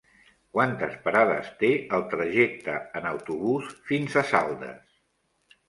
Quantes parades té el trajecte en autobús fins a Saldes?